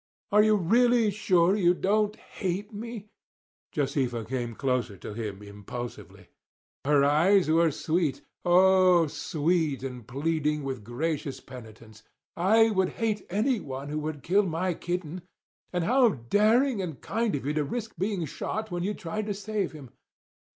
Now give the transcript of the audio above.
"Are you really sure you don't hate me?" Josefa came closer to him impulsively. Her eyes were sweet—oh, sweet and pleading with gracious penitence. "I would hate anyone who would kill my kitten. And how daring and kind of you to risk being shot when you tried to save him!